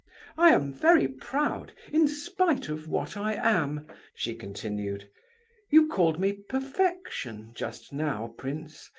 "I am very proud, in spite of what I am," she continued. "You called me 'perfection' just now, prince.